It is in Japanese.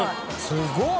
すごい！